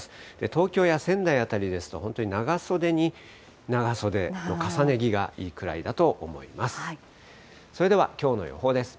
東京や仙台辺りですと、本当に長袖に長袖の重ね着がいいくらいだと思います。